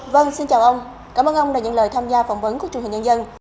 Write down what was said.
vâng xin chào ông cảm ơn ông đã nhận lời tham gia phỏng vấn của truyền hình nhân dân